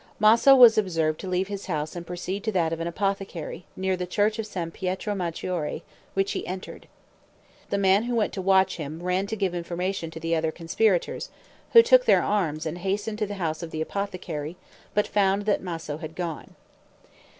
Maso was observed to leave his house and proceed to that of an apothecary, near the church of San Pietro Maggiore, which he entered. The man who went to watch him ran to give information to the other conspirators, who took their arms and hastened to the house of the apothecary, but found that Maso had gone.